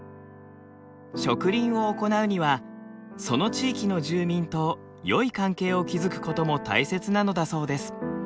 植林を行うにはその地域の住民とよい関係を築くことも大切なのだそうです。